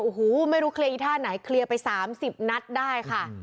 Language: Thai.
โอ้โหไม่รู้เคลียร์อีท่าไหนเคลียร์ไป๓๐นัดได้ค่ะ